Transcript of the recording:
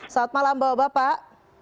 saat malam bapak